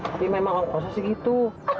tapi memang gak usah segitu